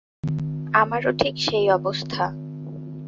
আমারও ঠিক সেই অবস্থা।